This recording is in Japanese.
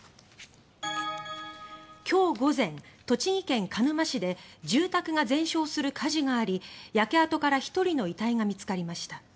今日午前、栃木県鹿沼市で住宅が全焼する火事があり焼け跡から１人の遺体が見つかりました。